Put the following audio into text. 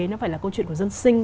nó phải là câu chuyện của dân sinh